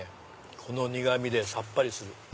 この苦味でさっぱりする。